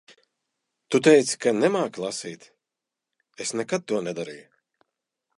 Tu teici ka nemāki lasīt. Es nekad to nedarīju.